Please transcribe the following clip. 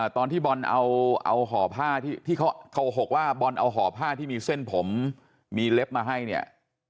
ตอนที่บอลเอาห่อผ้าที่เขาโกหกว่าบอลเอาห่อผ้าที่มีเส้นผมมีเล็บมาให้เนี่ย